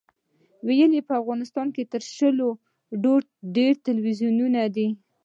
ویل یې په افغانستان کې تر شلو ډېر تلویزیونونه دي.